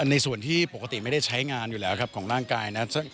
ในส่วนที่ปกติไม่ได้ใช้งานอยู่แล้วครับของร่างกายนั้น